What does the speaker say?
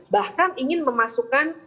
bahkan ingin memasukkan